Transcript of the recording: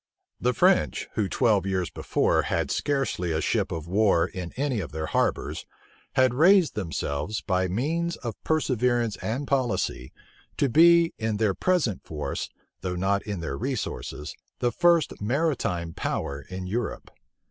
The French, who twelve years before had scarcely a ship of war in any of their harbors, had raised themselves, by means of perseverance and policy, to be, in their present force, though not in their resources, the first maritime power in Europe.